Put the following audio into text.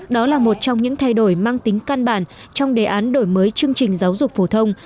đó là một trong những thay đổi mang tính căn bản trong đề án đổi mới chương trình giáo dục phổ thông